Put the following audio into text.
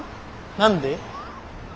何で？